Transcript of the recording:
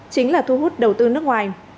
chính là thu hút đầu tư nước ngoài